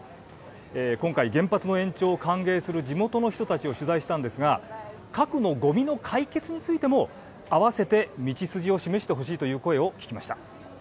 今回、原発の延長を歓迎する地元の人たちを取材したんですが核のごみの解決についても合わせて道筋を示してほしいという声を聞きました。